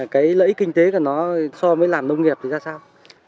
cái lợi ích kinh tế của nó so với làm nông nghiệp thì ra sao